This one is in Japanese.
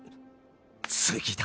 次だ。